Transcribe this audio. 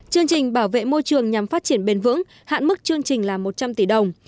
chương trình bảo vệ môi trường nhằm phát triển bền vững hạn mức chương trình là một trăm linh tỷ đồng